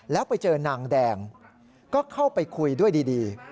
แล้วไปเจอนางแดงก็เข้าไปคุยด้วยดี